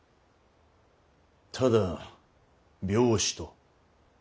ただ病死と。